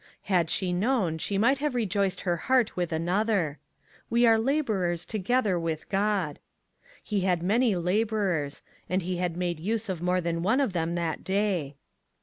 Had she known, she might have rejoiced her heart with another — "We are laborers together with God." He had many laborers, and he had made use of more than one of them that day.